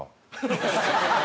ハハハハ！